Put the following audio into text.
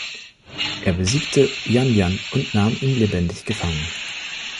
Er besiegte Yan Yan und nahm ihn lebendig gefangen.